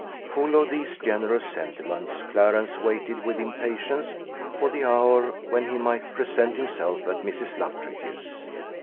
Full of these generous sentiments, Clarence waited with impatience for the hour when he might present himself at Mrs. Luttridge's.